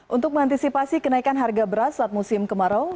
untuk mengantisipasi kenaikan harga beras saat musim kemarau